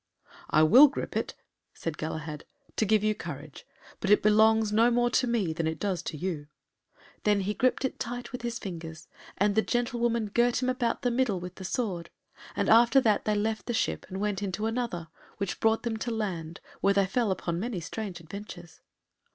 "I will grip it," said Galahad, "to give you courage, but it belongs no more to me than it does to you." Then he gripped it tight with his fingers, and the gentlewoman girt him about the middle with the sword, and after that they left that ship and went into another, which brought them to land, where they fell upon many strange adventures.